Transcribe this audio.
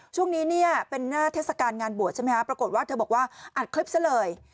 ช่วงนี้เนี่ยเป็นหน้าเทศกาลงานบวชใช่ไหมครับปรากฏว่าเธอบอกว่าอัดคลิปซะเลย